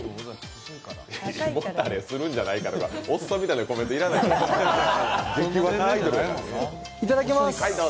胃もたれするんじゃないかとかおっさんみたいなコメントいらんて。